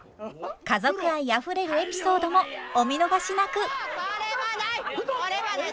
家族愛あふれるエピソードもお見逃しなく！